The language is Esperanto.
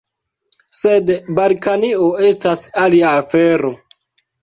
Sed Balkanio estas alia afero.